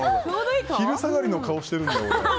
昼下がりの顔してるんだ、俺。